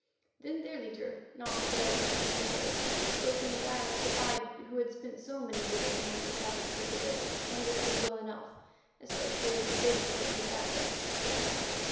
Then their leader—not the veiled man, but another—spoke in a dialect that I, who had spent so many years among the savages of the desert, understood well enough, especially as the base of it was Arabic.